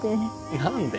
何で？